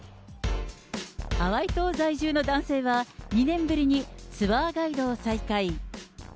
ハワイ島在住の男性は、２年ぶりにツアーガイドを再開。